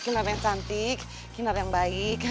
kinar yang cantik kinar yang baik